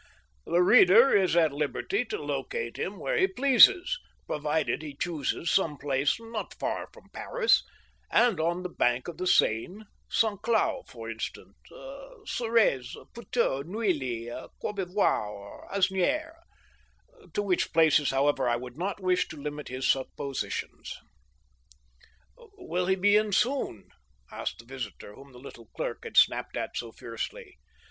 The reader is at liberty to locate him where he pleases, provided he chooses some place not far from Paris and on the bank of the Seine— Saint Cloud, for instance, Suresnes, Puteaux, Neuilly, Cour bevoie, or Asni^res, to which places, however, I would not wish to limit his suppositions. " Will he be in soon ?" asked the visitor, whom the little clerk had snapped at so fiercely.